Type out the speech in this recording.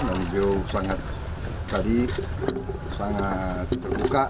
dan beliau sangat tadi sangat terbuka